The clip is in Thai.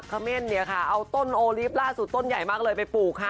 เขาเอาต้นโอลิฟต์ล่าสุดต้นใหญ่มากเลยไปปลูกค่ะ